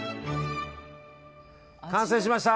完成しました！